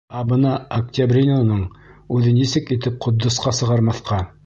Ә бына Октябринаның үҙен нисек итеп Ҡотдосҡа сығармаҫҡа?